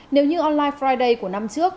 nếu như online friday của năm trước